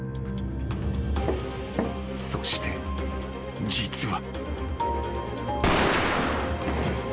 ［そして実は］